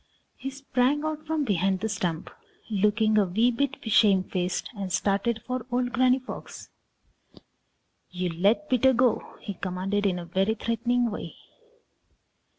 He sprang out from behind the stump, looking a wee bit shame faced, and started for old Granny Fox. "You let Peter Rabbit go!" he commanded in a very threatening way.